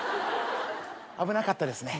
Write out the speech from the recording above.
危なかったですね。